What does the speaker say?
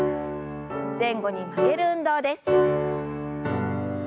前後に曲げる運動です。